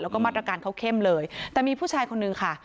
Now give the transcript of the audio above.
แล้วก็มาตรการเขาเข้มเลยแต่มีผู้ชายคนนึงค่ะ